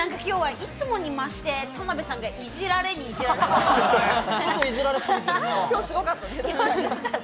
いつもに増して田辺さんがいじられにいじられていた。